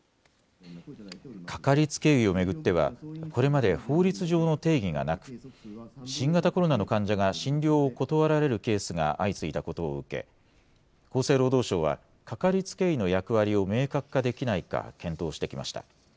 かかりつけ医を巡っては、これまで法律上の定義がなく、新型コロナの患者が診療を断られるケースが相次いだことを受け、厚生労働省は、かかりつけ医の役割を明確化できないか検討してきました。